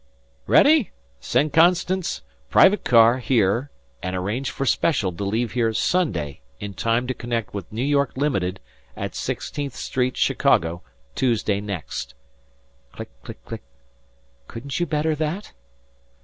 "Ready? _Send 'Constance,' private car, here, and arrange for special to leave here Sunday in time to connect with New York Limited at Sixteenth Street, Chicago, Tuesday next_." Click click click! "Couldn't you better that?"